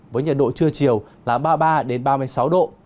với nhiệt độ trưa chiều là ba mươi ba ba mươi sáu độ